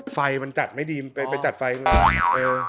ไฟมันจัดไม่ดีไปจัดไฟเอว